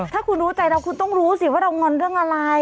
ถ้าคุณรู้ใจเราคุณต้องรู้สิว่าเรางอนเรื่องอะไร